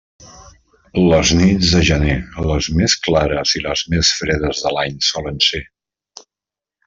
Les nits de gener les més clares i les més fredes de l'any solen ser.